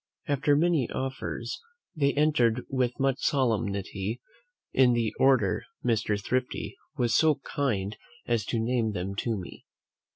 After many offers, they entered with much solemnity, in the order Mr. Thrifty was so kind as to name them to me.